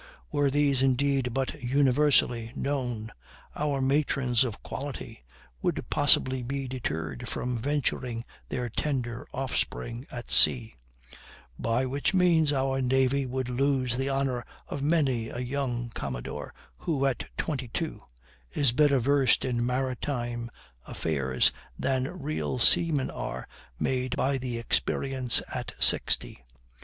Were these, indeed, but universally known, our matrons of quality would possibly be deterred from venturing their tender offspring at sea; by which means our navy would lose the honor of many a young commodore, who at twenty two is better versed in maritime affairs than real seamen are made by experience at sixty.